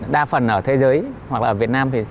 đa phần ở thế giới hoặc là ở việt nam thì